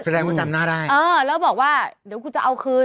แสดงว่าจำหน้าได้เออแล้วบอกว่าเดี๋ยวกูจะเอาคืน